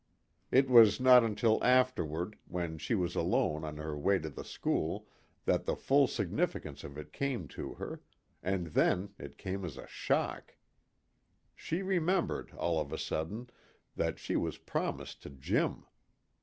It was not until afterward, when she was alone on her way to the school, that the full significance of it came to her; and then it came as a shock. She remembered, all of a sudden, that she was promised to Jim.